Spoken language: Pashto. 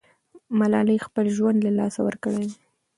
ملالۍ خپل ژوند له لاسه ورکړی دی.